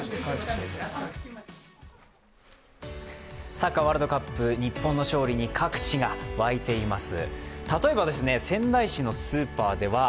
サッカーワールドカップ、日本の勝利に各地が沸いています。